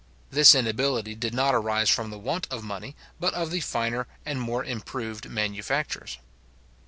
This inability did not arise from the want of money, but of the finer and more improved manufactures.